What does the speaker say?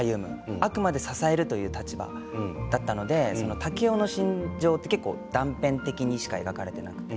あくまで支えるという立場だったので竹雄の心情って結構断片的にしか描かれてなくて。